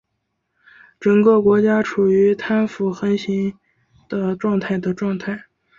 整个国家处于贪腐横行的状态的状态。